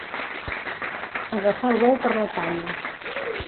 Agafar el bou per les banyes.